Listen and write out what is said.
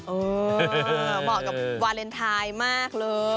เหมาะกับวาเลนไทยมากเลย